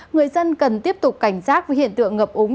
người dân cần tiếp tục cảnh giác với hiện tượng ngập úng